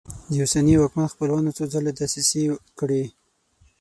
د اوسني واکمن خپلوانو څو ځله دسیسې کړي.